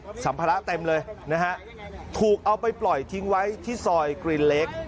สัมภาระเต็มเลยนะฮะถูกเอาไปปล่อยทิ้งไว้ที่ซอยกรินเล็ก